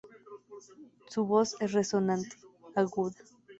Su voz es resonante, aguda.